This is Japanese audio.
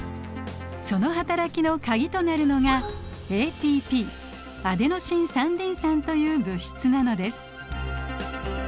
その働きのカギとなるのがＡＴＰアデノシン三リン酸という物質なのです。